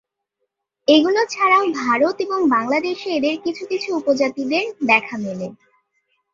এগুলো ছাড়াও ভারত এবং বাংলাদেশে এদের কিছু কিছু উপজাতিদের দেখা মেলে।